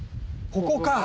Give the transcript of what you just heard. ここか！